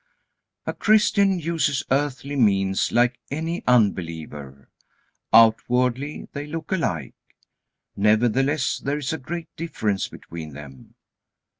A Christian uses earthly means like any unbeliever. Outwardly they look alike. Nevertheless there is a great difference between them.